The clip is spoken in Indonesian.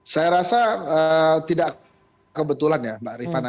saya rasa tidak kebetulan ya mbak rifana